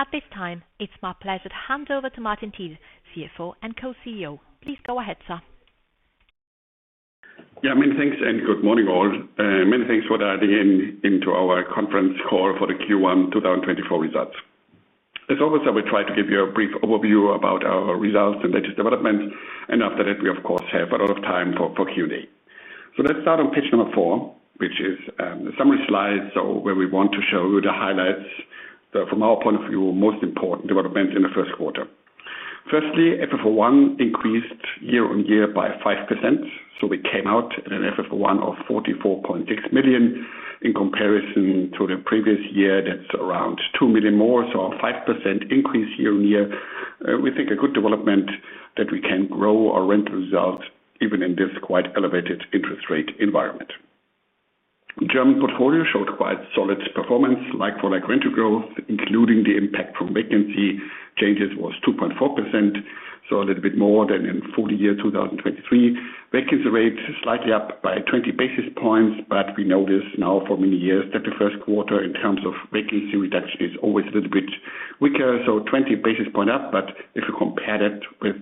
At this time, it's my pleasure to hand over to Martin Thiel, CFO and Co-CEO. Please go ahead, sir. Yeah, many thanks and good morning all. Many thanks for diving in into our conference call for the Q1 2024 results. As always, I will try to give you a brief overview about our results and latest developments, and after that we, of course, have a lot of time for, for Q&A. So let's start on page number four, which is, a summary slide, so where we want to show you the highlights, the, from our point of view, most important developments in the first quarter. Firstly, FFO1 increased year-on-year by 5%, so we came out at an FFO1 of 44.6 million in comparison to the previous year that's around 2 million more, so a 5% increase year-on-year. We think a good development that we can grow our rental results even in this quite elevated interest rate environment. German portfolio showed quite solid performance, like-for-like rental growth, including the impact from vacancy changes was 2.4%, so a little bit more than in full year 2023. Vacancy rate slightly up by 20 basis points, but we notice now for many years that the first quarter, in terms of vacancy reduction, is always a little bit weaker, so 20 basis points up. But if you compare that with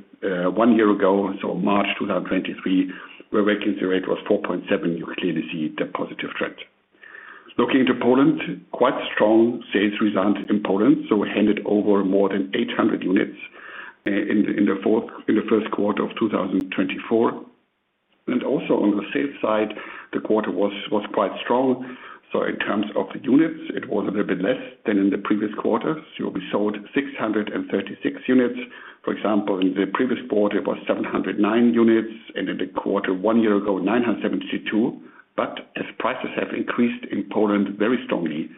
one year ago, so March 2023, where vacancy rate was 4.7%, you clearly see the positive trend. Looking into Poland, quite strong sales results in Poland, so we handed over more than 800 units in the first quarter of 2024. And also on the sales side, the quarter was quite strong. So in terms of units, it was a little bit less than in the previous quarter. So we sold 636 units. For example, in the previous quarter, it was 709 units, and in the quarter one year ago, 972. But as prices have increased in Poland very strongly,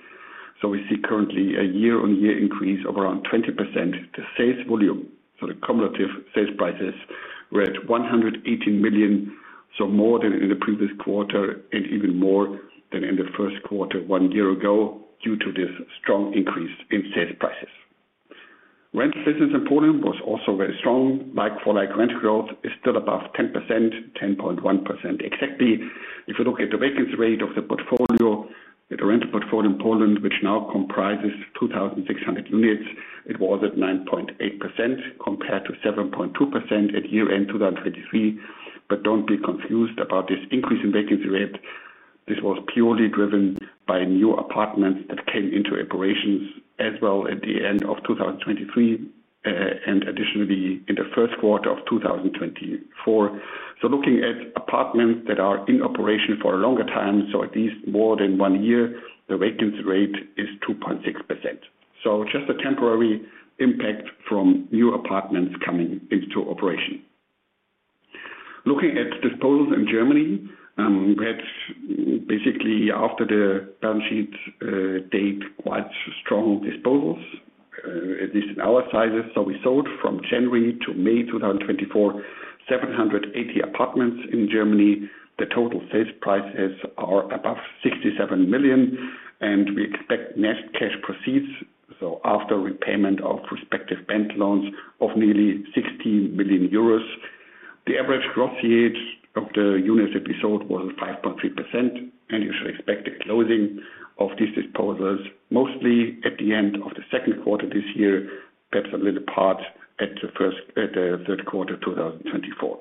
so we see currently a year-on-year increase of around 20% to sales volume. So the cumulative sales prices were at 118 million, so more than in the previous quarter and even more than in the first quarter one year ago due to this strong increase in sales prices. Rental business in Poland was also very strong, like-for-like rental growth is still above 10%, 10.1% exactly. If you look at the vacancy rate of the portfolio, the rental portfolio in Poland, which now comprises 2,600 units, it was at 9.8% compared to 7.2% at year-end 2023. But don't be confused about this increase in vacancy rate. This was purely driven by new apartments that came into operations as well at the end of 2023, and additionally in the first quarter of 2024. So looking at apartments that are in operation for a longer time, so at least more than one year, the vacancy rate is 2.6%. So just a temporary impact from new apartments coming into operation. Looking at disposals in Germany, we had basically after the balance sheet date quite strong disposals, at least in our sizes. So we sold from January to May 2024, 780 apartments in Germany. The total sales prices are above 67 million, and we expect net cash proceeds, so after repayment of respective bank loans of nearly 16 million euros, the average gross yield of the units that we sold was 5.3%. You should expect a closing of these disposals mostly at the end of the second quarter this year, perhaps a little part at the first at the third quarter 2024.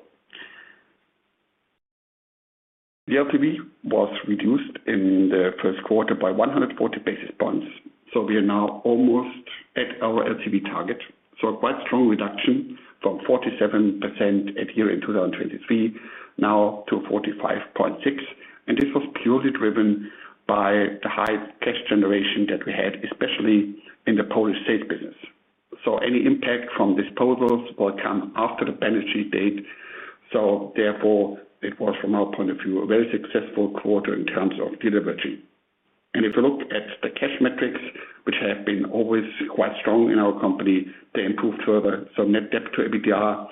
The LTV was reduced in the first quarter by 140 basis points. We are now almost at our LTV target. A quite strong reduction from 47% at year-end 2023 now to 45.6%. This was purely driven by the high cash generation that we had, especially in the Polish sales business. Any impact from disposals will come after the balance sheet date. Therefore, it was, from our point of view, a very successful quarter in terms of deleveraging. If you look at the cash metrics, which have been always quite strong in our company, they improved further. So net debt to EBITDA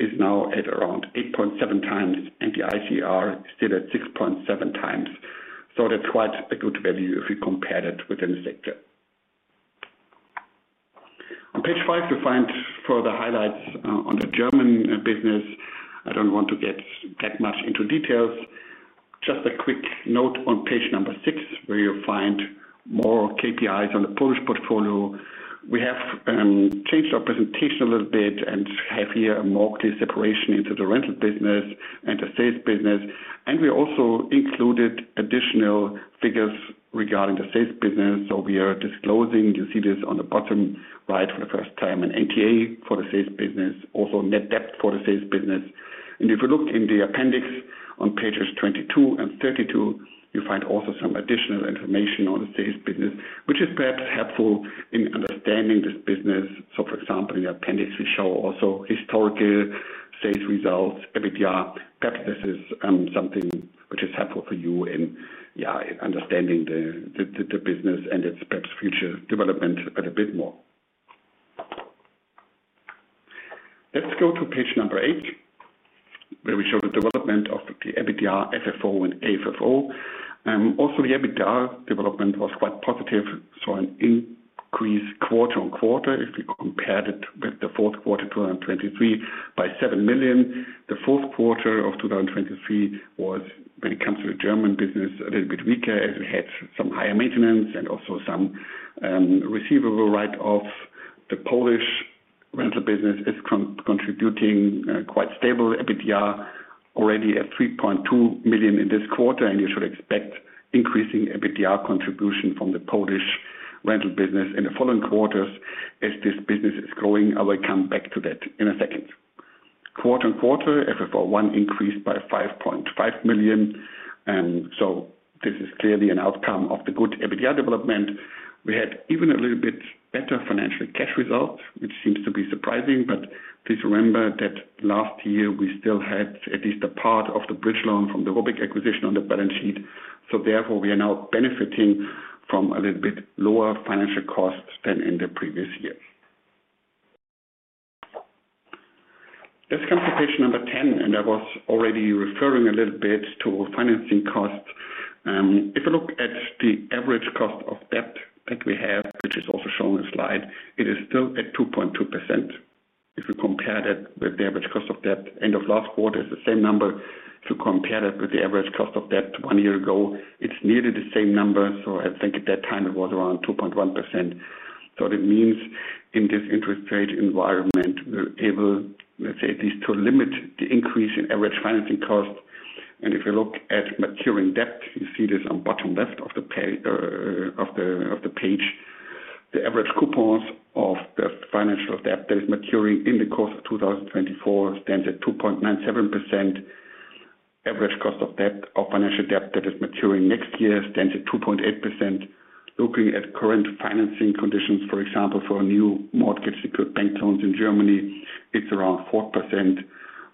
is now at around 8.7x, and the ICR is still at 6.7x. So that's quite a good value if you compare that within the sector. On page five, you'll find further highlights on the German business. I don't want to get that much into details. Just a quick note on page six, where you'll find more KPIs on the Polish portfolio. We have changed our presentation a little bit and have here a more clear separation into the rental business and the sales business. And we also included additional figures regarding the sales business. So we are disclosing, you see this on the bottom right, for the first time an NTA for the sales business, also net debt for the sales business. And if you look in the appendix on pages 22 and 32, you find also some additional information on the sales business, which is perhaps helpful in understanding this business. So for example, in the appendix, we show also historical sales results, EBITDA. Perhaps this is something which is helpful for you in, yeah, in understanding the business and its perhaps future development a little bit more. Let's go to page number eight, where we show the development of the EBITDA, FFO, and AFFO. Also the EBITDA development was quite positive. So an increase quarter-on-quarter, if you compare that with the fourth quarter 2023 by 7 million. The fourth quarter of 2023 was, when it comes to the German business, a little bit weaker as we had some higher maintenance and also some receivable write-offs. The Polish rental business is contributing quite stable. EBITDA already at 3.2 million in this quarter, and you should expect increasing EBITDA contribution from the Polish rental business in the following quarters. As this business is growing, I will come back to that in a second. Quarter on quarter, FFO I increased by 5.5 million. So this is clearly an outcome of the good EBITDA development. We had even a little bit better financial cash results, which seems to be surprising. But please remember that last year we still had at least a part of the bridge loan from the ROBYG acquisition on the balance sheet. So therefore, we are now benefiting from a little bit lower financial costs than in the previous year. Let's come to page number 10, and I was already referring a little bit to financing costs. If you look at the average cost of debt that we have, which is also shown on the slide, it is still at 2.2%. If you compare that with the average cost of debt end of last quarter, it's the same number. If you compare that with the average cost of debt one year ago, it's nearly the same number. So I think at that time it was around 2.1%. So that means in this interest rate environment, we're able, let's say, at least to limit the increase in average financing cost. And if you look at maturing debt, you see this on bottom left of the page. The average coupons of the financial debt that is maturing in the course of 2024 stands at 2.97%. Average cost of debt of financial debt that is maturing next year stands at 2.8%. Looking at current financing conditions, for example, for new mortgage-secured bank loans in Germany, it's around 4%.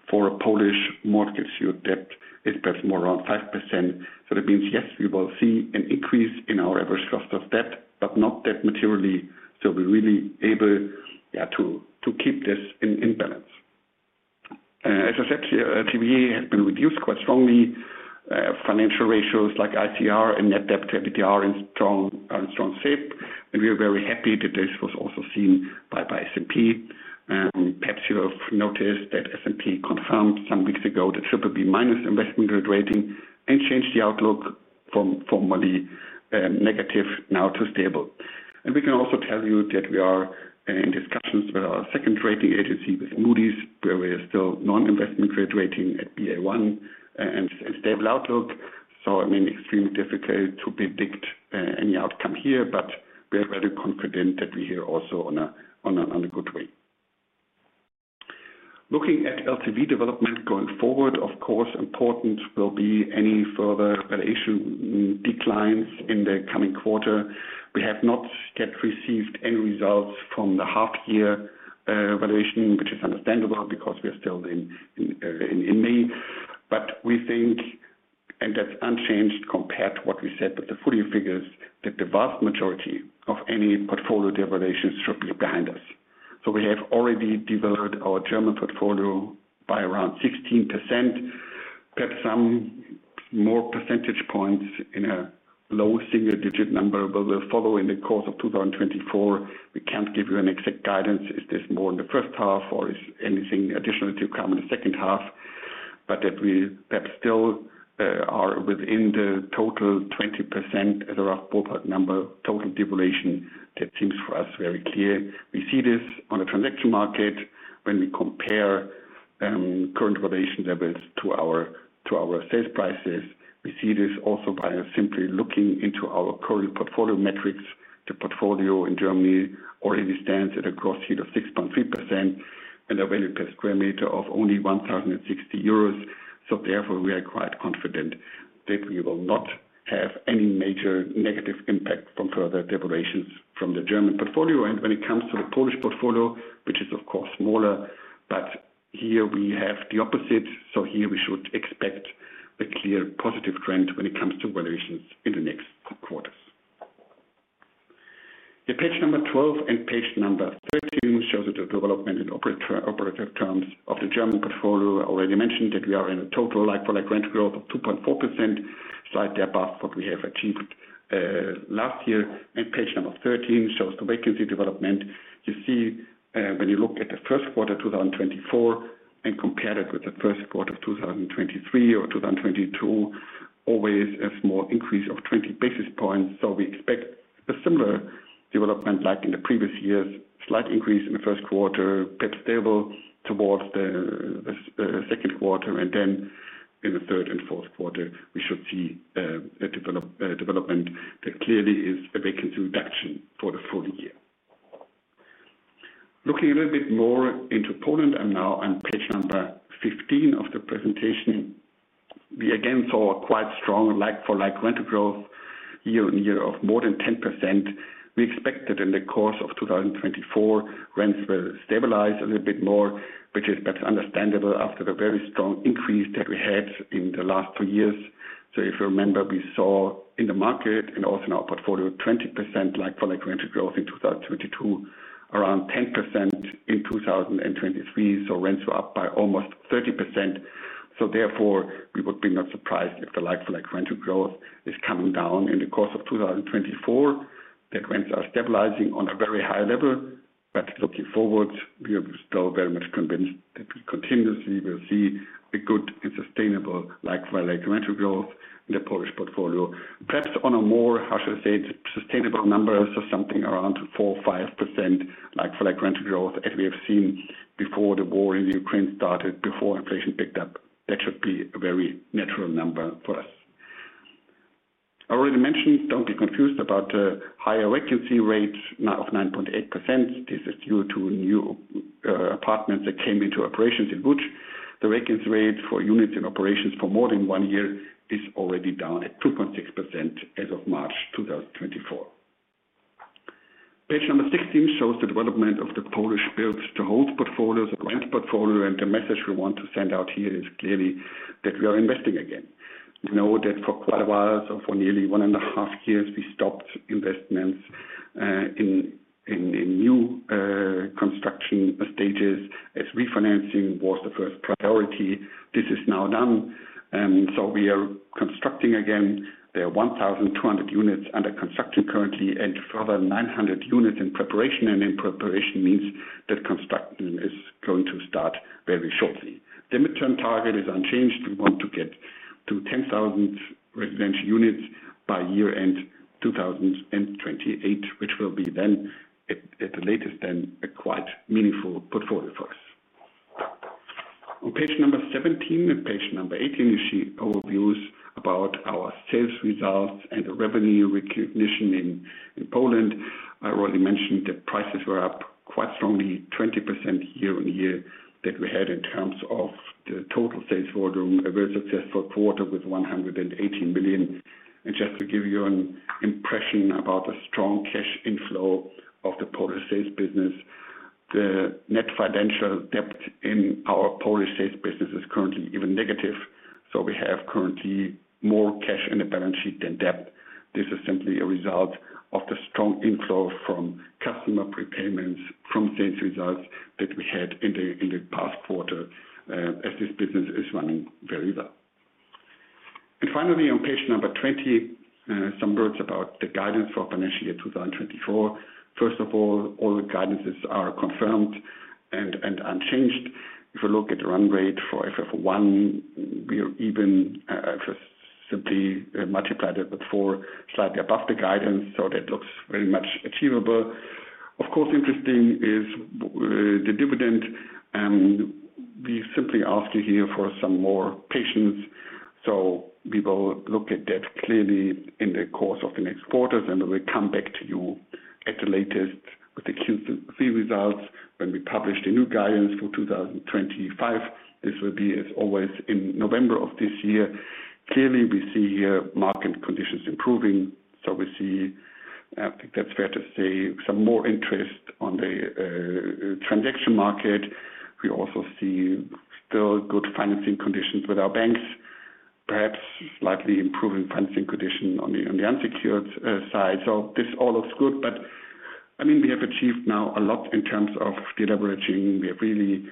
For a Polish mortgage-secured debt, it's perhaps more around 5%. So that means, yes, we will see an increase in our average cost of debt, but not materially. So we're really able, yeah, to keep this in balance. As I said here, LTV has been reduced quite strongly. Financial ratios like ICR and net debt to EBITDA are in strong shape. And we are very happy that this was also seen by S&P. Perhaps you have noticed that S&P confirmed some weeks ago the triple B minus investment grade rating and changed the outlook from formerly negative now to stable. And we can also tell you that we are in discussions with our second rating agency, with Moody's, where we are still non-investment grade rating at Ba1, and stable outlook. So I mean, extremely difficult to predict any outcome here, but we are rather confident that we are also on a good way. Looking at LTV development going forward, of course, important will be any further valuation declines in the coming quarter. We have not yet received any results from the half-year valuation, which is understandable because we are still in May. But we think, and that's unchanged compared to what we said with the full year figures, that the vast majority of any portfolio devaluations should be behind us. So we have already devalued our German portfolio by around 16%, perhaps some more percentage points in a low single-digit number, but we'll follow in the course of 2024. We can't give you an exact guidance. Is this more in the first half, or is anything additional to come in the second half? But that we perhaps still are within the total 20% as a rough ballpark number, total devaluation, that seems for us very clear. We see this on the transaction market. When we compare current valuation levels to our sales prices, we see this also by simply looking into our current portfolio metrics. The portfolio in Germany already stands at a gross yield of 6.3% and a value per square meter of only 1,060 euros. So therefore, we are quite confident that we will not have any major negative impact from further devaluations from the German portfolio. And when it comes to the Polish portfolio, which is, of course, smaller, but here we have the opposite. So here we should expect a clear positive trend when it comes to valuations in the next quarters. Yeah, page 12 and page 13 shows the development in operational terms of the German portfolio. I already mentioned that we are in a total like-for-like rental growth of 2.4%, slightly above what we have achieved last year. And page 13 shows the vacancy development. You see, when you look at the first quarter 2024 and compare that with the first quarter of 2023 or 2022, always a small increase of 20 basis points. So we expect a similar development like in the previous years, slight increase in the first quarter, perhaps stable towards the second quarter. And then in the third and fourth quarter, we should see a development that clearly is a vacancy reduction for the full year. Looking a little bit more into Poland, I'm now on page 15 of the presentation. We again saw quite strong like-for-like rental growth year-on-year of more than 10%. We expected in the course of 2024, rents will stabilize a little bit more, which is perhaps understandable after the very strong increase that we had in the last two years. So if you remember, we saw in the market and also in our portfolio 20% like-for-like rental growth in 2022, around 10% in 2023. So rents were up by almost 30%. So therefore, we would be not surprised if the like-for-like rental growth is coming down in the course of 2024, that rents are stabilizing on a very high level. But looking forward, we are still very much convinced that we continuously will see a good and sustainable like-for-like rental growth in the Polish portfolio. Perhaps on a more, how should I say, sustainable number, so something around 4%, 5% like-for-like rental growth as we have seen before the war in Ukraine started, before inflation picked up, that should be a very natural number for us. I already mentioned, don't be confused about the higher vacancy rate now of 9.8%. This is due to new apartments that came into operations in Łódź. The vacancy rate for units in operations for more than one year is already down at 2.6% as of March 2024. Page number 16 shows the development of the Polish build-to-hold portfolios, the rent portfolio. The message we want to send out here is clearly that we are investing again. We know that for quite a while or for nearly one and a half years, we stopped investments in new construction stages as refinancing was the first priority. This is now done. So we are constructing again. There are 1,200 units under construction currently and further 900 units in preparation. In preparation means that construction is going to start very shortly. The midterm target is unchanged. We want to get to 10,000 residential units by year-end 2028, which will be then at the latest then a quite meaningful portfolio for us. On page number 17 and page number 18, you see overviews about our sales results and the revenue recognition in Poland. I already mentioned that prices were up quite strongly, 20% year-on-year that we had in terms of the total sales volume, a very successful quarter with 118 million. And just to give you an impression about the strong cash inflow of the Polish sales business, the net financial debt in our Polish sales business is currently even negative. So we have currently more cash in the balance sheet than debt. This is simply a result of the strong inflow from customer prepayments, from sales results that we had in the past quarter, as this business is running very well. And finally, on page 20, some words about the guidance for financial year 2024. First of all, all the guidances are confirmed and unchanged. If you look at the run rate for FFO I, we are even, if you simply multiply that by four, slightly above the guidance. So that looks very much achievable. Of course, interesting is the dividend. We simply ask you here for some more patience. So we will look at that clearly in the course of the next quarters, and we will come back to you at the latest with the Q3 results when we publish the new guidance for 2025. This will be, as always, in November of this year. Clearly, we see here market conditions improving. So we see, I think that's fair to say, some more interest on the transaction market. We also see still good financing conditions with our banks, perhaps slightly improving financing condition on the unsecured side. So this all looks good. But I mean, we have achieved now a lot in terms of deleveraging. We have really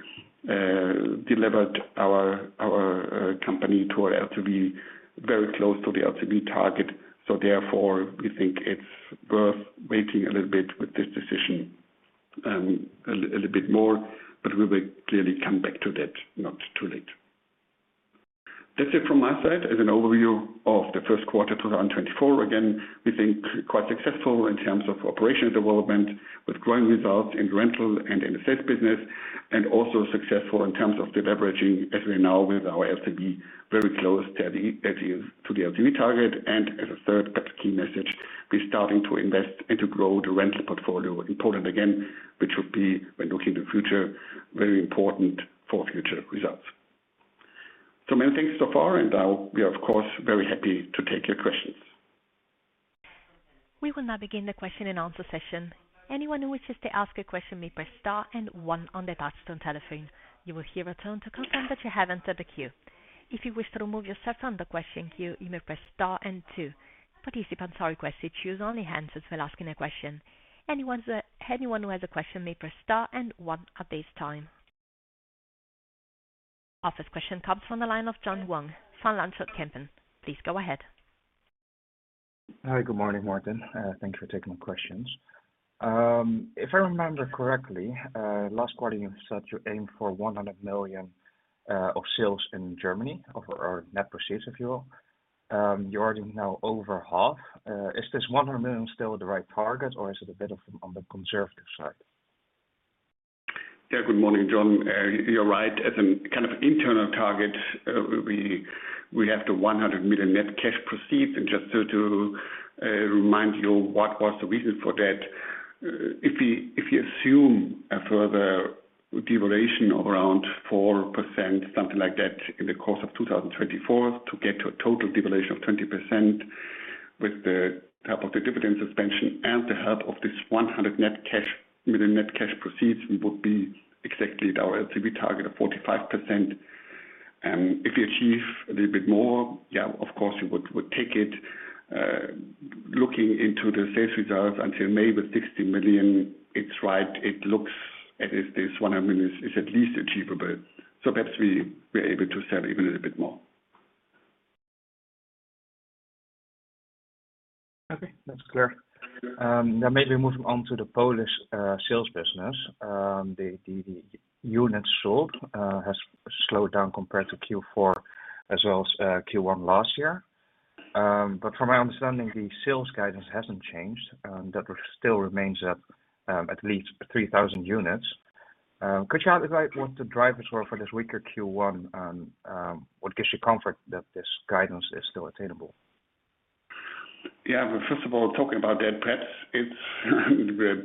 delivered our company toward LTV very close to the LTV target. So therefore, we think it's worth waiting a little bit with this decision, a little bit more. But we will clearly come back to that not too late. That's it from my side as an overview of the first quarter 2024. Again, we think quite successful in terms of operational development with growing results in rental and in the sales business, and also successful in terms of deleveraging as we are now with our LTV very close to the LTV target. And as a third perhaps key message, we're starting to invest and to grow the rental portfolio important again, which would be, when looking to the future, very important for future results. So many thanks so far. And we are, of course, very happy to take your questions. We will now begin the question and answer session. Anyone who wishes to ask a question may press star and one on the touch-tone telephone. You will hear a tone to confirm that you have entered the queue. If you wish to remove yourself from the question queue, you may press star and two. Participants are requested to use only handsets while asking a question. Anyone who has a question may press star and one at this time. Our first question comes from the line of John Vuong at Van Lanschot Kempen. Please go ahead. Hi. Good morning, Martin. Thanks for taking my questions. If I remember correctly, last quarter you said you aimed for 100 million of sales in Germany or net proceeds, if you will. You're already now over half. Is this 100 million still the right target, or is it a bit on the conservative side? Yeah. Good morning, John. You're right. As a kind of internal target, we have the 100 million net cash proceeds. And just to remind you what was the reason for that, if we assume a further devaluation of around 4%, something like that in the course of 2024, to get to a total devaluation of 20% with the help of the dividend suspension and the help of this 100 million net cash proceeds, we would be exactly at our LTV target of 45%. If we achieve a little bit more, yeah, of course, we would take it. Looking into the sales results until May with 60 million, it's right. It looks as if this 100 million is at least achievable. So perhaps we, we're able to sell even a little bit more. Okay. That's clear. Now maybe moving on to the Polish sales business. The units sold has slowed down compared to Q4 as well as Q1 last year. But from my understanding, the sales guidance hasn't changed. That still remains at least 3,000 units. Could you highlight what the drivers were for this weaker Q1 and what gives you comfort that this guidance is still attainable? Yeah. Well, first of all, talking about that, perhaps it's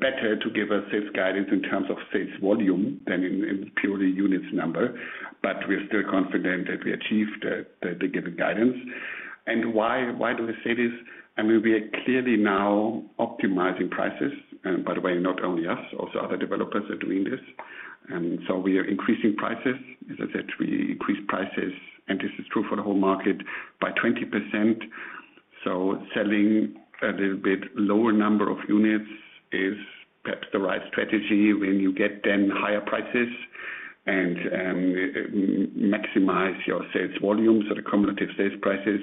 better to give a sales guidance in terms of sales volume than in purely units number. But we're still confident that we achieved the given guidance. And why do I say this? I mean, we are clearly now optimizing prices. And by the way, not only us, also other developers are doing this. And so we are increasing prices. As I said, we increased prices, and this is true for the whole market, by 20%. So selling a little bit lower number of units is perhaps the right strategy when you get then higher prices and, maximize your sales volumes or the cumulative sales prices.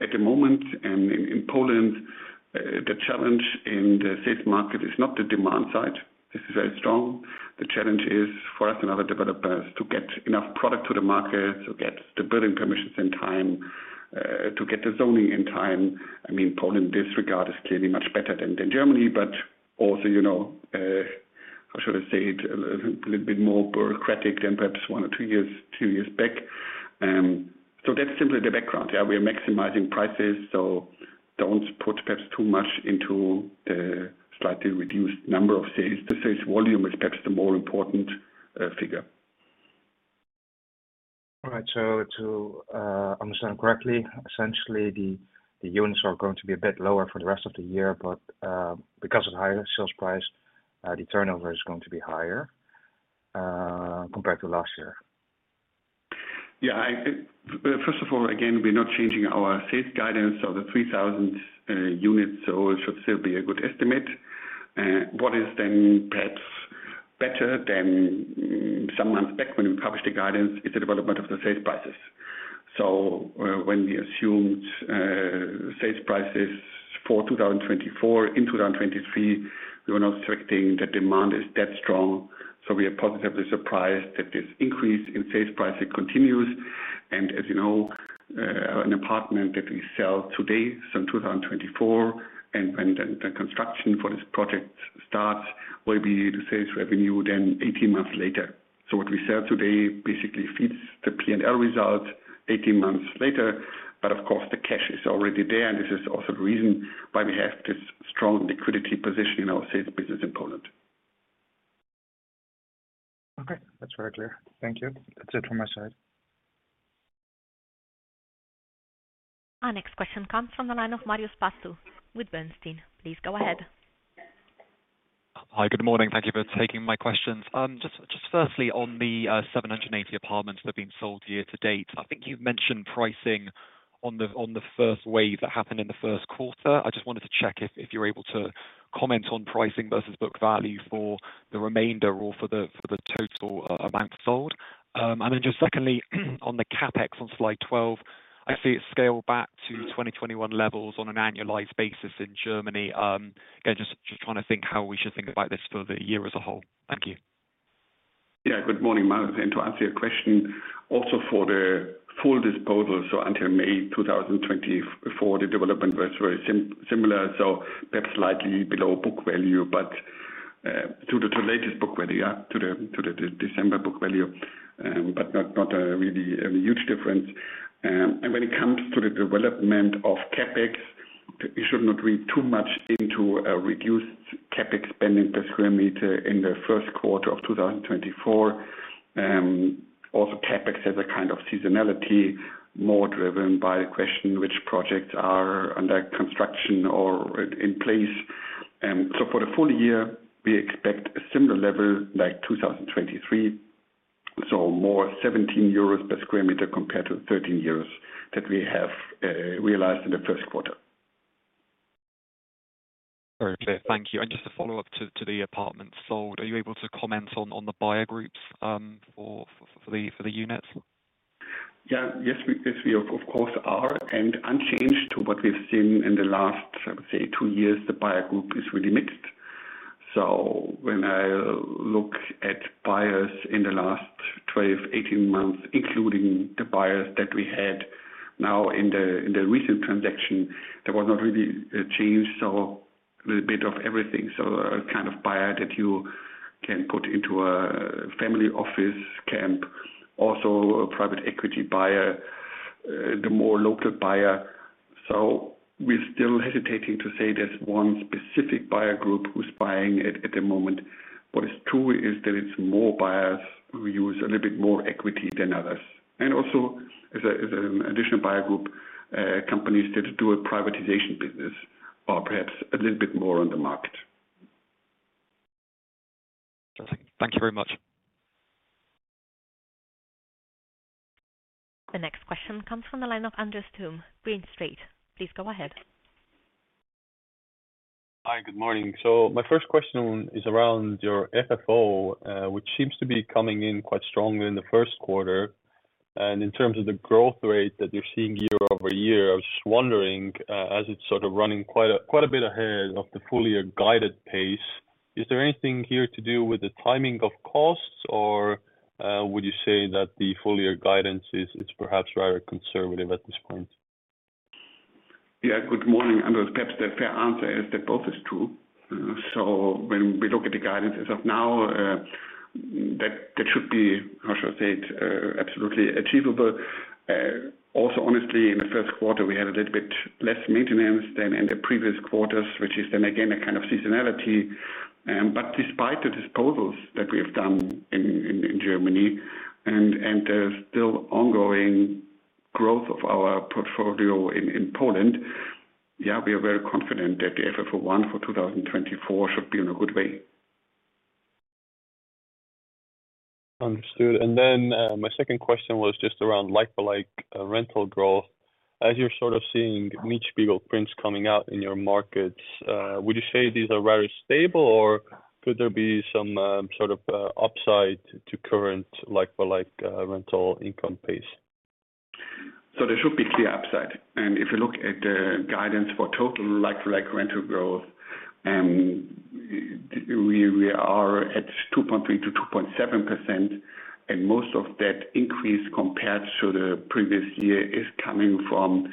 At the moment, and in Poland, the challenge in the sales market is not the demand side. This is very strong. The challenge is for us and other developers to get enough product to the market, to get the building permissions in time, to get the zoning in time. I mean, Poland, in this regard, is clearly much better than Germany, but also, you know, how should I say it, a little bit more bureaucratic than perhaps one or two years back. That's simply the background. Yeah. We are maximizing prices. So don't put perhaps too much into the slightly reduced number of sales. The sales volume is perhaps the more important figure. All right. So to understand correctly, essentially, the units are going to be a bit lower for the rest of the year, but because of higher sales price, the turnover is going to be higher compared to last year? Yeah. I first of all, again, we're not changing our sales guidance. So the 3,000 units, so it should still be a good estimate. What is then perhaps better than some months back when we published the guidance is the development of the sales prices. So, when we assumed sales prices for 2024 in 2023, we were not expecting that demand is that strong. So we are positively surprised that this increase in sales prices continues. As you know, an apartment that we sell today, so in 2024, and when then the construction for this project starts, will be the sales revenue then 18 months later. So what we sell today basically feeds the P&L results 18 months later. But of course, the cash is already there. And this is also the reason why we have this strong liquidity position in our sales business in Poland. Okay. That's very clear. Thank you. That's it from my side. Our next question comes from the line of Marios Pastou with Bernstein. Please go ahead. Hi. Good morning. Thank you for taking my questions. Just firstly, on the 780 apartments that have been sold year to date, I think you mentioned pricing on the first wave that happened in the first quarter. I just wanted to check if you're able to comment on pricing versus book value for the remainder or for the total amount sold. Then just secondly, on the CapEx on slide 12, I see it scaled back to 2021 levels on an annualized basis in Germany. Again, just trying to think how we should think about this for the year as a whole. Thank you. Yeah. Good morning, Marios. To answer your question, also for the full disposal, so until May 2024, the development was very similar. So perhaps slightly below book value, but to the latest book value, yeah, to the December book value, but not really a huge difference. When it comes to the development of CapEx, you should not read too much into a reduced CapEx spending per square meter in the first quarter of 2024. Also, CapEx has a kind of seasonality more driven by the question which projects are under construction or in place. So for the full year, we expect a similar level like 2023, so more 17 euros per square meter compared to 13 euros that we have realized in the first quarter. Very clear. Thank you. And just a follow-up to the apartments sold, are you able to comment on the buyer groups for the units? Yeah. Yes. Yes. We, of course, are. And unchanged to what we've seen in the last, I would say, two years, the buyer group is really mixed. So when I look at buyers in the last 12, 18 months, including the buyers that we had now in the recent transaction, there was not really a change. So a little bit of everything. So a kind of buyer that you can put into a family office camp, also a private equity buyer, the more local buyer. So we're still hesitating to say there's one specific buyer group who's buying it at the moment. What is true is that it's more buyers who use a little bit more equity than others. And also as an additional buyer group, companies that do a privatization business are perhaps a little bit more on the market. Perfect. Thank you very much. The next question comes from the line of Andres Toome, Green Street. Please go ahead. Hi. Good morning. So my first question is around your FFO, which seems to be coming in quite strongly in the first quarter. And in terms of the growth rate that you're seeing year-over-year, I was just wondering, as it's sort of running quite a bit ahead of the full-year guided pace, is there anything here to do with the timing of costs, or would you say that the full-year guidance is perhaps rather conservative at this point? Yeah. Good morning, Andreas. Perhaps the fair answer is that both is true. So when we look at the guidance as of now, that should be, how should I say it, absolutely achievable. Also honestly, in the first quarter, we had a little bit less maintenance than in the previous quarters, which is then again a kind of seasonality. but despite the disposals that we have done in Germany and the still ongoing growth of our portfolio in Poland, yeah, we are very confident that the FFO I for 2024 should be in a good way. Understood. And then, my second question was just around like-for-like rental growth. As you're sort of seeing Mietspiegel prints coming out in your markets, would you say these are rather stable, or could there be some sort of upside to current like-for-like rental income pace? So there should be clear upside. And if you look at the guidance for total like-for-like rental growth, we are at 2.3%-2.7%. And most of that increase compared to the previous year is coming from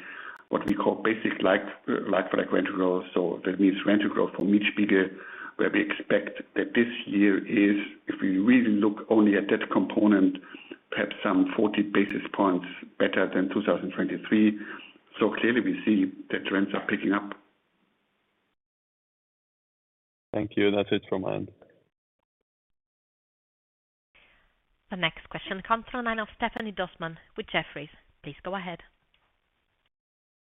what we call basic like-for-like rental growth. So that means rental growth for Mietspiegel, where we expect that this year is, if we really look only at that component, perhaps some 40 basis points better than 2023. So clearly, we see that trends are picking up. Thank you. That's it from my end. The next question comes from the line of Stéphanie Dossmann with Jefferies. Please go ahead.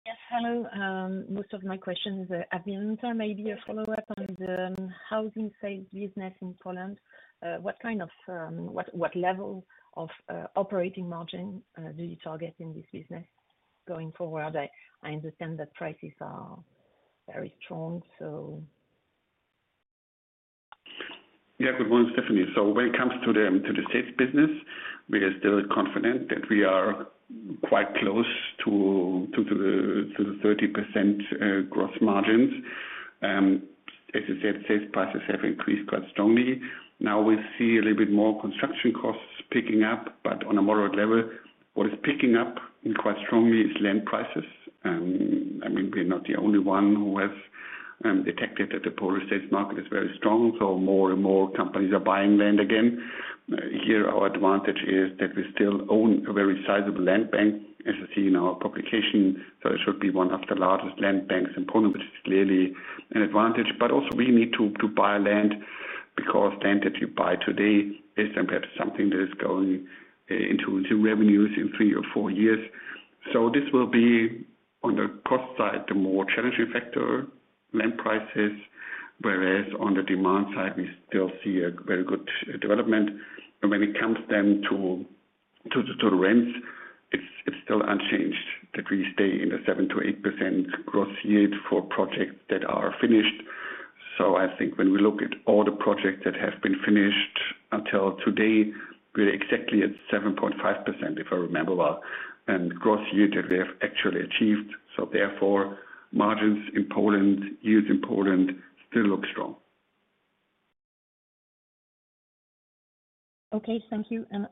Yes. Hello. Most of my questions, Martin, but maybe a follow-up on the housing sales business in Poland. What kind of level of operating margin do you target in this business going forward? I understand that prices are very strong, so. Yeah. Good morning, Stéphanie. So when it comes to the sales business, we are still confident that we are quite close to the 30% gross margins. As you said, sales prices have increased quite strongly. Now we see a little bit more construction costs picking up, but on a moderate level. What is picking up quite strongly is land prices. I mean, we're not the only one who has detected that the Polish sales market is very strong. So more and more companies are buying land again. Here, our advantage is that we still own a very sizable land bank, as I see in our publication. So it should be one of the largest land banks in Poland, which is clearly an advantage. But also we need to buy land because land that you buy today is then perhaps something that is going into revenues in three or four years. So this will be, on the cost side, the more challenging factor, land prices, whereas on the demand side, we still see a very good development. When it comes then to the rents, it's still unchanged that we stay in the 7%-8% gross yield for projects that are finished. So I think when we look at all the projects that have been finished until today, we're exactly at 7.5%, if I remember well, and gross yield that we have actually achieved. So therefore, margins in Poland, yields in Poland still look strong. Okay. Thank you. And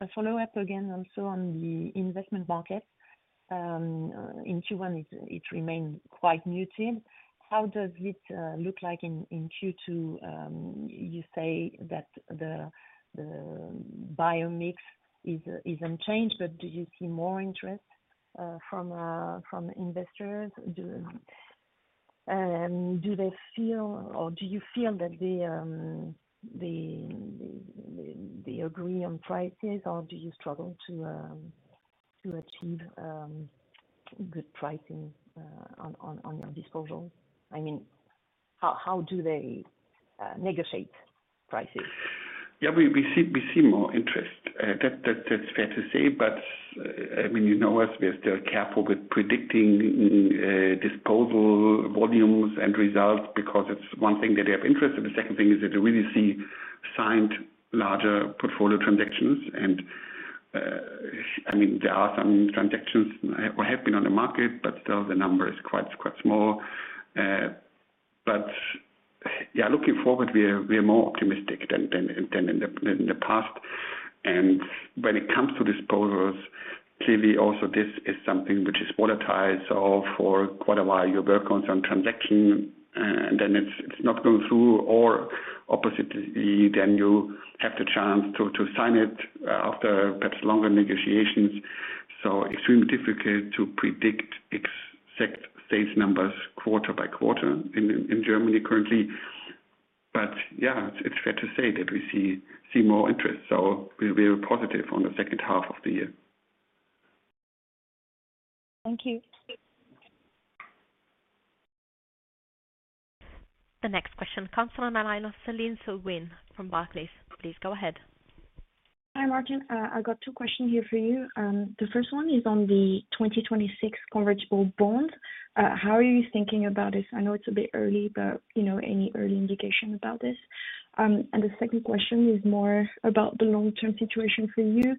a follow-up again also on the investment market. In Q1, it remained quite muted. How does it look like in Q2? You say that the buyer mix is unchanged, but do you see more interest from investors? Do they feel or do you feel that they agree on prices, or do you struggle to achieve good pricing on your disposals? I mean, how do they negotiate prices? Yeah. We see more interest. That's fair to say. But I mean, you know us. We are still careful with predicting disposal volumes and results because it's one thing that they have interest in. The second thing is that they really see signed larger portfolio transactions. And, I mean, there are some transactions that have been on the market, but still, the number is quite small. But yeah, looking forward, we are more optimistic than in the past. And when it comes to disposals, clearly, also, this is something which is volatile. So for quite a while, you're working on some transaction, and then it's not going through, or oppositely, then you have the chance to sign it after perhaps longer negotiations. So it's extremely difficult to predict exact sales numbers quarter by quarter in Germany currently. But yeah, it's fair to say that we see more interest. So we're positive on the second half of the year. Thank you. The next question comes from the line of Céline Soo-Huynh from Barclays. Please go ahead. Hi, Martin. I've got two questions here for you. The first one is on the 2026 convertible bond. How are you thinking about this? I know it's a bit early, but, you know, any early indication about this? And the second question is more about the long-term situation for you.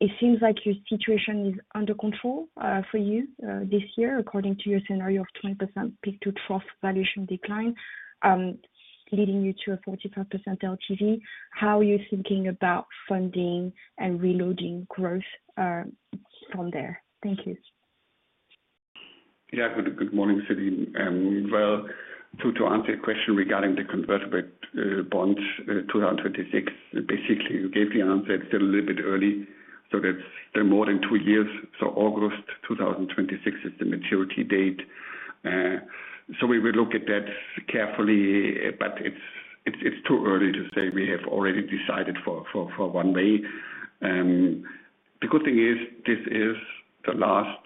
It seems like your situation is under control for you this year, according to your scenario of 20% peak-to-trough valuation decline, leading you to a 45% LTV. How are you thinking about funding and reloading growth from there? Thank you. Yeah. Good morning, Céline. Well, to answer your question regarding the convertible bonds 2026, basically, you gave the answer. It's still a little bit early. So that's still more than two years. So August 2026 is the maturity date. So we will look at that carefully, but it's too early to say we have already decided for one way. The good thing is this is the last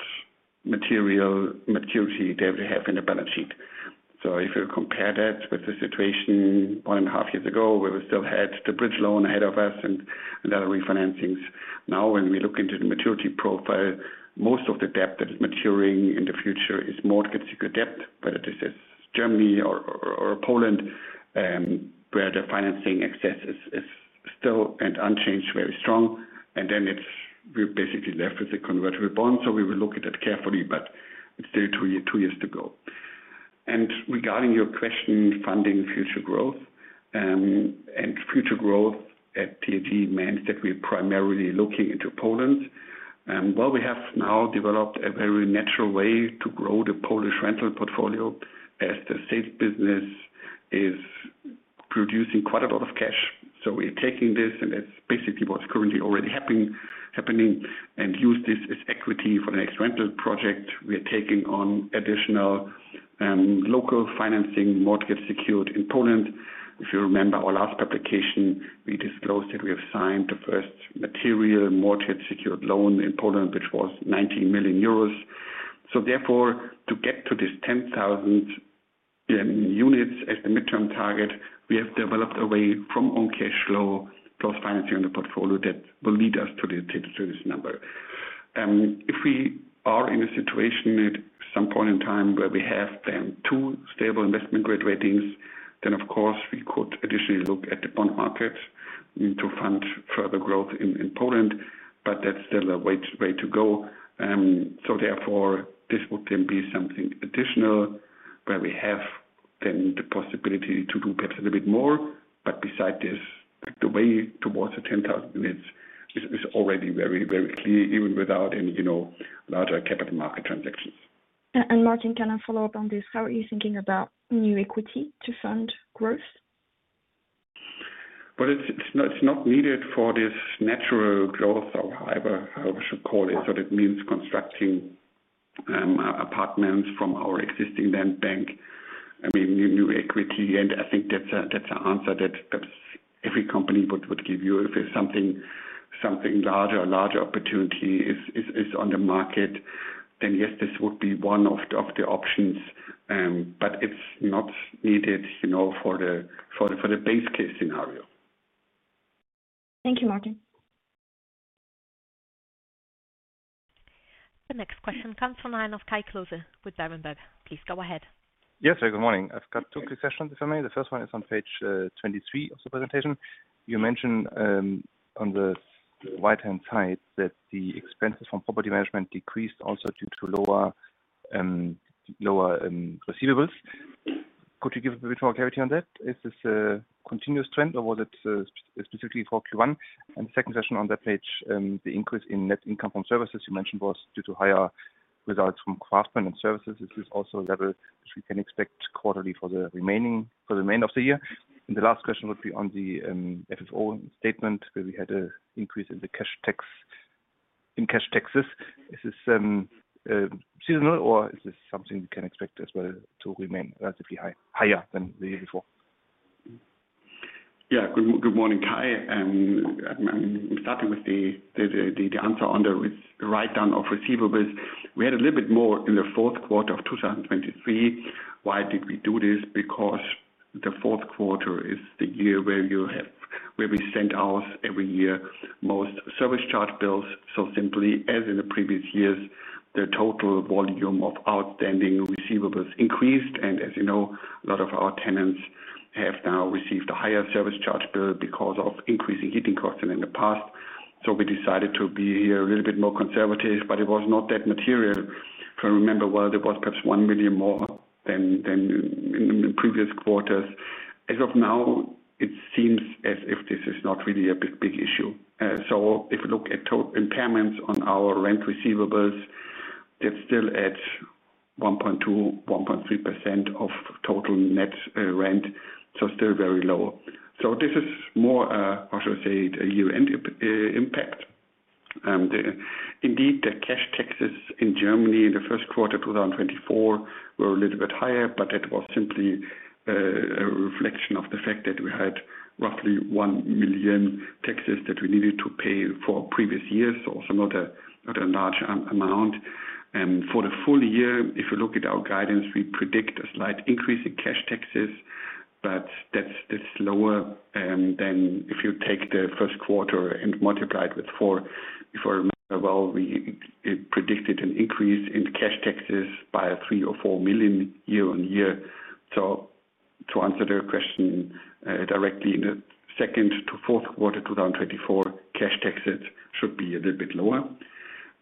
material maturity that we have in the balance sheet. So if you compare that with the situation one and a half years ago, we still had the bridge loan ahead of us and other refinancings. Now, when we look into the maturity profile, most of the debt that is maturing in the future is mortgage-secured debt, whether this is Germany or Poland, where the financing access is still and unchanged very strong. Then it's we're basically left with the convertible bond. So we will look at that carefully, but it's still two years to go. Regarding your question, funding future growth, and future growth at T&G means that we're primarily looking into Poland. Well, we have now developed a very natural way to grow the Polish rental portfolio as the sales business is producing quite a lot of cash. So we're taking this, and that's basically what's currently already happening, and use this as equity for the next rental project. We are taking on additional, local financing mortgage secured in Poland. If you remember our last publication, we disclosed that we have signed the first material mortgage secured loan in Poland, which was 19 million euros. So therefore, to get to this 10,000 units as the midterm target, we have developed a way from own cash flow plus financing on the portfolio that will lead us to this number. If we are in a situation at some point in time where we have then two stable investment grade ratings, then, of course, we could additionally look at the bond market to fund further growth in Poland. But that's still a way way to go. So therefore, this would then be something additional where we have then the possibility to do perhaps a little bit more. But beside this, the way towards the 10,000 units is already very clear, even without any, you know, larger capital market transactions. And Martin, can I follow up on this? How are you thinking about new equity to fund growth? Well, it's not needed for this natural growth, or however I should call it. So that means constructing apartments from our existing land bank. I mean, new equity. And I think that's an answer that perhaps every company would give you. If there's something larger, a larger opportunity is on the market, then, yes, this would be one of the options. But it's not needed, you know, for the base case scenario. Thank you, Martin. The next question comes from the line of Kai Klose with Berenberg. Please go ahead. Yes. Good morning. I've got two quick questions if I may. The first one is on page 23 of the presentation. You mentioned, on the right-hand side, that the expenses from property management decreased also due to lower receivables. Could you give a bit more clarity on that? Is this a continuous trend, or was it, specifically for Q1? And the second session on that page, the increase in net income from services you mentioned was due to higher results from Craftsmen services. Is this also a level which we can expect quarterly for the remainder of the year? And the last question would be on the FFO statement where we had an increase in the cash taxes. Is this seasonal, or is this something we can expect as well to remain relatively higher than the year before? Yeah. Good morning, Kai. I'm starting with the answer on the write-down of receivables. We had a little bit more in the fourth quarter of 2023. Why did we do this? Because the fourth quarter is the year where you have where we sent out every year most service charge bills. So simply, as in the previous years, the total volume of outstanding receivables increased. And as you know, a lot of our tenants have now received a higher service charge bill because of increasing heating costs than in the past. So we decided to be here a little bit more conservative. But it was not that material. If I remember well, there was perhaps 1 million more than in previous quarters. As of now, it seems as if this is not really a big big issue. So if you look at total impairments on our rent receivables, they're still at 1.2%-1.3% of total net rent. So still very low. So this is more, how should I say it, a year-end impact. Indeed, the cash taxes in Germany in the first quarter 2024 were a little bit higher, but that was simply a reflection of the fact that we had roughly 1 million taxes that we needed to pay for previous years. So also not a large amount. For the full year, if you look at our guidance, we predict a slight increase in cash taxes. But that's lower than if you take the first quarter and multiply it with four. If I remember well, we predicted an increase in cash taxes by 3 million or 4 million year-on-year. So to answer the question directly, in the second to fourth quarter 2024, cash taxes should be a little bit lower.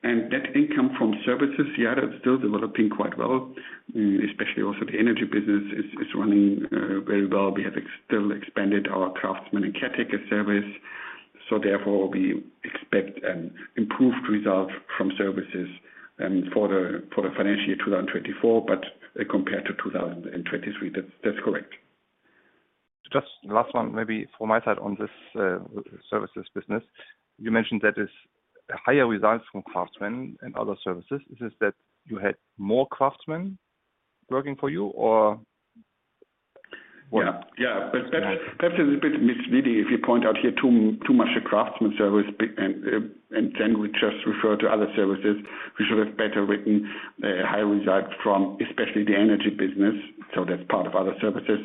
And net income from services, yeah, that's still developing quite well, especially also the energy business is running very well. We have still expanded our Craftsmen and Caretaker service. So therefore, we expect an improved result from services for the financial year 2024, but compared to 2023. That's correct. Just last one, maybe, from my side on this, services business. You mentioned that there's higher results from Craftsmen and other services. Is it that you had more Craftsmen working for you, or? Yeah. Yeah. But perhaps it's a bit misleading if you point out here too much of Craftsmen service, and then we just refer to other services. We should have better written, higher results from especially the energy business. So that's part of other services.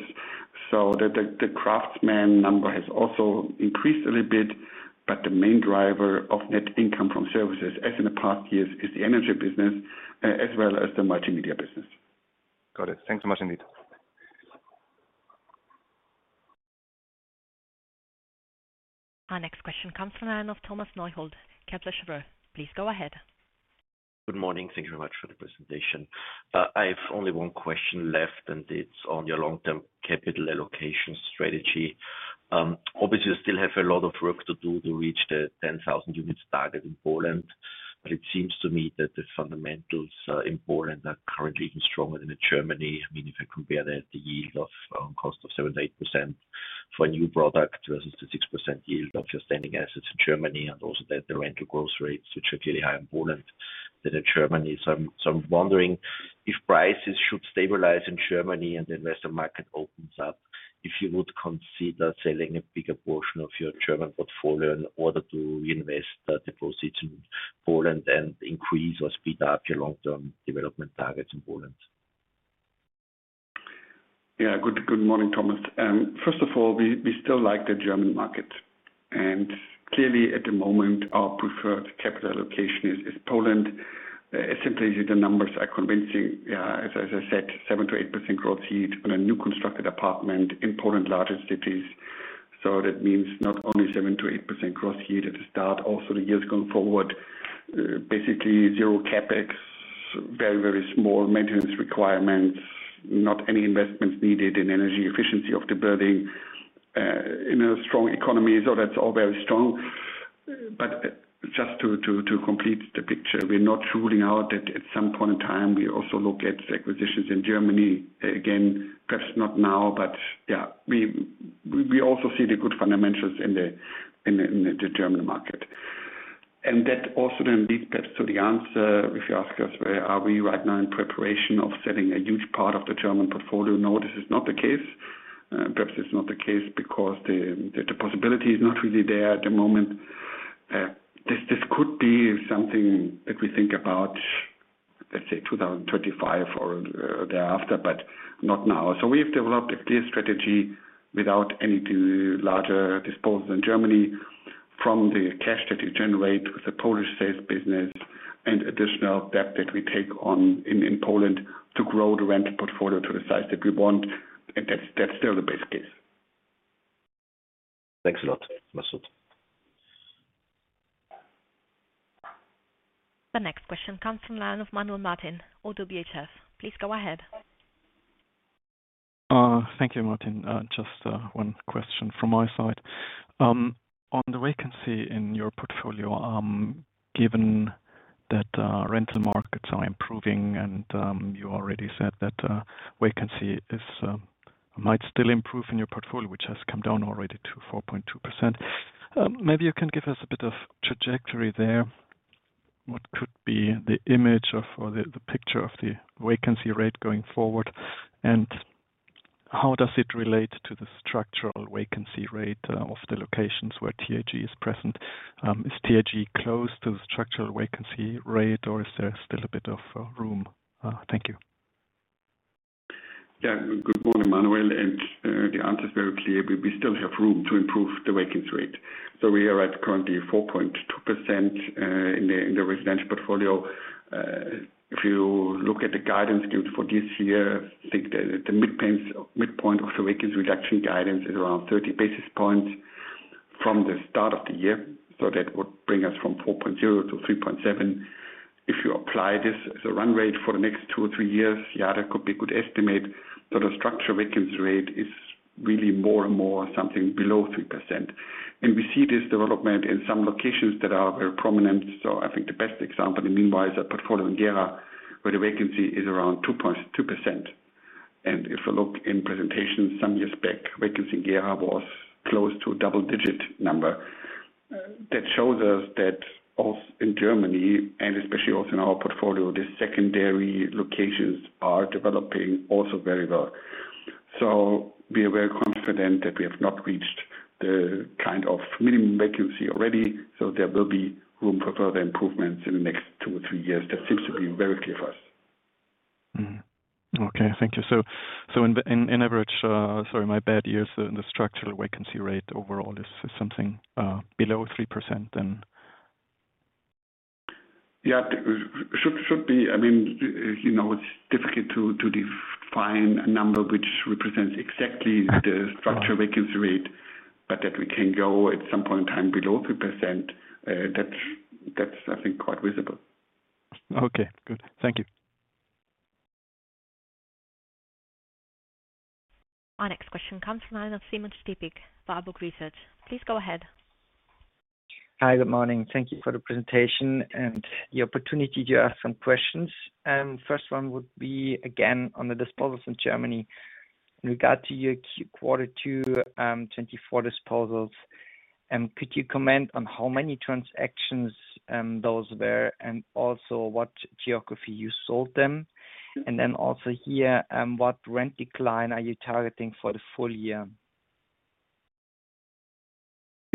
So the Craftsmen number has also increased a little bit. But the main driver of net income from services, as in the past years, is the energy business, as well as the multimedia business. Got it. Thanks so much, indeed. Our next question comes from the line of Thomas Neuhold, Kepler Cheuvreux. Please go ahead. Good morning. Thank you very much for the presentation. I have only one question left, and it's on your long-term capital allocation strategy. Obviously, you still have a lot of work to do to reach the 10,000 units target in Poland. But it seems to me that the fundamentals in Poland are currently even stronger than in Germany. I mean, if I compare that, the yield of cost of 7%-8% for a new product versus the 6% yield of your standing assets in Germany, and also that the rental growth rates, which are clearly higher in Poland than in Germany. So I'm wondering if prices should stabilize in Germany and the investor market opens up, if you would consider selling a bigger portion of your German portfolio in order to reinvest the deposits in Poland and increase or speed up your long-term development targets in Poland. Yeah. Good morning, Thomas. First of all, we still like the German market. Clearly, at the moment, our preferred capital allocation is Poland. Simply, the numbers are convincing. Yeah. As I said, 7%-8% gross yield on a new constructed apartment in Poland's largest cities. So that means not only 7%-8% gross yield at the start, also the years going forward, basically zero CapEx, very, very small maintenance requirements, not any investments needed in energy efficiency of the building, in a strong economy. So that's all very strong. But just to complete the picture, we're not ruling out that at some point in time, we also look at acquisitions in Germany again, perhaps not now, but yeah, we also see the good fundamentals in the German market. And that also then leads perhaps to the answer, if you ask us, where are we right now in preparation of selling a huge part of the German portfolio? No, this is not the case. Perhaps it's not the case because the possibility is not really there at the moment. This could be something that we think about, let's say, 2025 or thereafter, but not now. So we have developed a clear strategy without any too large disposal in Germany from the cash that we generate with the Polish sales business and additional debt that we take on in Poland to grow the rental portfolio to the size that we want. And that's still the base case. Thanks a lot, Martin. The next question comes from the line of Manuel Martin, ODDO BHF. Please go ahead. Thank you, Martin. Just one question from my side. On the vacancy in your portfolio, given that rental markets are improving, and you already said that vacancy might still improve in your portfolio, which has come down already to 4.2%, maybe you can give us a bit of trajectory there. What could be the image of or the picture of the vacancy rate going forward? And how does it relate to the structural vacancy rate, of the locations where T&G is present? Is T&G close to the structural vacancy rate, or is there still a bit of, room? Thank you. Yeah. Good morning, Manuel. And, the answer is very clear. We we still have room to improve the vacancy rate. So we are at currently 4.2%, in the in the residential portfolio. If you look at the guidance given for this year, I think that the midpoint of the vacancy reduction guidance is around 30 basis points from the start of the year. So that would bring us from 4.0%-3.7%. If you apply this as a run rate for the next two or three years, yeah, that could be a good estimate. But the structural vacancy rate is really more and more something below 3%. And we see this development in some locations that are very prominent. So I think the best example, and meanwhile, is our portfolio in Gera, where the vacancy is around 2.2%. And if you look in presentations some years back, vacancy in Gera was close to a double-digit number. That shows us that also in Germany, and especially also in our portfolio, the secondary locations are developing also very well. So we are very confident that we have not reached the kind of minimum vacancy already. So there will be room for further improvements in the next two or three years. That seems to be very clear for us. Okay. Thank you. So in the average, sorry, my bad. Yeah, the structural vacancy rate overall is something below 3%, then? Yeah. It should be. I mean, you know, it's difficult to define a number which represents exactly the structural vacancy rate. But that we can go at some point in time below 3%, that's, I think, quite visible. Okay. Good. Thank you. Our next question comes from the line of Simon Stippig, Warburg Research. Please go ahead. Hi. Good morning. Thank you for the presentation and the opportunity to ask some questions. First one would be, again, on the disposals in Germany. In regard to your Q2 2024 disposals, could you comment on how many transactions those were and also what geography you sold them? And then also here, what rent decline are you targeting for the full year?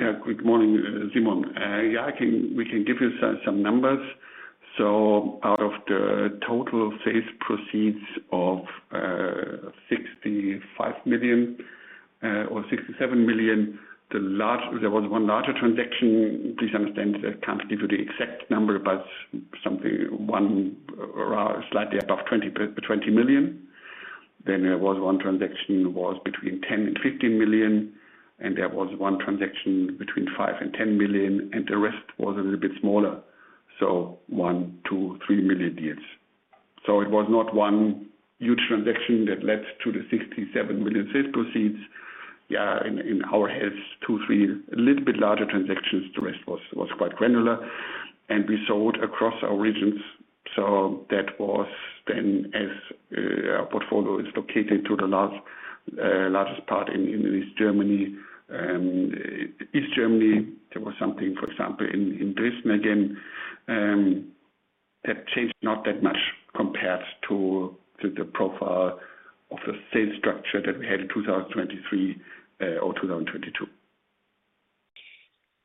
Yeah. Good morning, Simon. Yeah, I can. We can give you some numbers. So out of the total sales proceeds of 65 million or 67 million, there was one larger transaction. Please understand that I can't give you the exact number, but something one or slightly above 20 million. Then there was one transaction that was between 10 million and 15 million. And there was one transaction between 5 million and 10 million. And the rest was a little bit smaller. So 1 million, 2 million, 3 million deals. So it was not one huge transaction that led to the 67 million sales proceeds. Yeah. In our heads, two, three a little bit larger transactions. The rest was quite granular. And we sold across our regions. So that was then as our portfolio is located to the last, largest part in East Germany. East Germany, there was something, for example, in Dresden again, that changed not that much compared to the profile of the sales structure that we had in 2023, or 2022.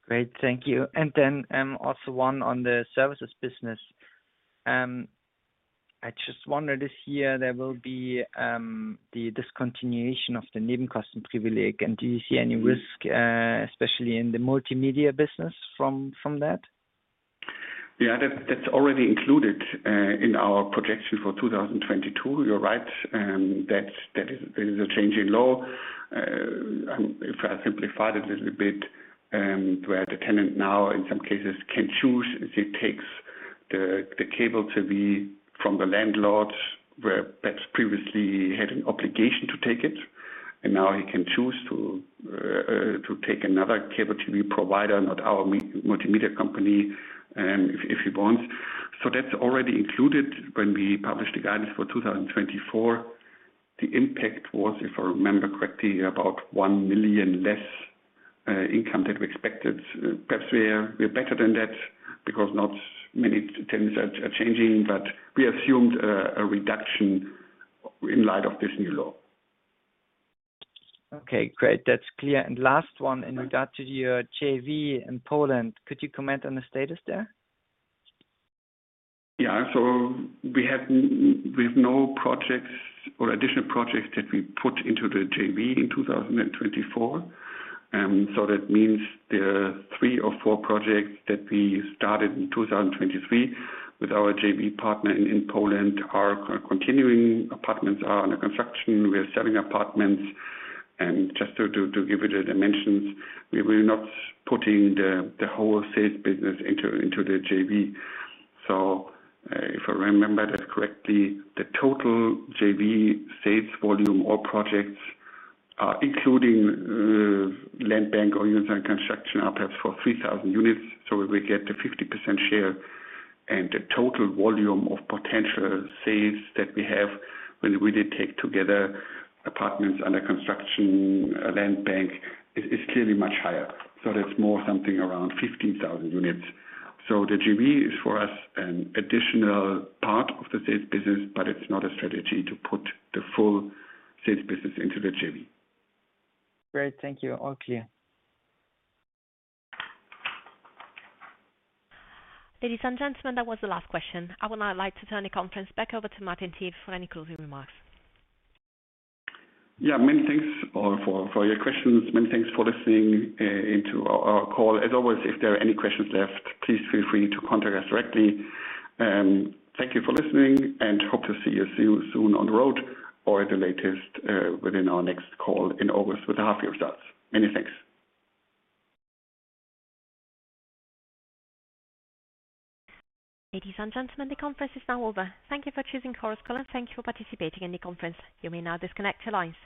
Great. Thank you. And then, also one on the services business. I just wonder this year, there will be, the discontinuation of the Nebenkostenprivileg. And do you see any risk, especially in the multimedia business from that? Yeah. That's already included, in our projection for 2022. You're right. That is a change in law. If I simplify it a little bit, where the tenant now, in some cases, can choose. It takes the cable TV from the landlord where perhaps previously had an obligation to take it. And now he can choose to, to take another cable TV provider, not our multimedia company, if he wants. So that's already included. When we published the guidance for 2024, the impact was, if I remember correctly, about 1 million less income that we expected. Perhaps we are better than that because not many tenants are changing. But we assumed a reduction in light of this new law. Okay. Great. That's clear. And last one in regard to your JV in Poland. Could you comment on the status there? Yeah. So we have no projects or additional projects that we put into the JV in 2024. So that means there are three or four projects that we started in 2023 with our JV partner in Poland. Our continuing apartments are under construction. We are selling apartments. And just to give it a dimension, we were not putting the whole sales business into the JV. So, if I remember that correctly, the total JV sales volume, all projects, are including land bank or unit construction, are perhaps for 3,000 units. So we get the 50% share. And the total volume of potential sales that we have when we did take together apartments under construction, land bank, is clearly much higher. So that's more something around 15,000 units. So the JV is for us an additional part of the sales business, but it's not a strategy to put the full sales business into the JV. Great. Thank you. All clear. Ladies and gentlemen, that was the last question. I would now like to turn the conference back over to Martin Thiel for any closing remarks. Yeah. Many thanks all for your questions. Many thanks for listening into our call. As always, if there are any questions left, please feel free to contact us directly. Thank you for listening, and hope to see you soon on the road or at the latest, within our next call in August with the half-year results. Many thanks. Ladies and gentlemen, the conference is now over. Thank you for choosing Chorus Call. Thank you for participating in the conference. You may now disconnect your lines.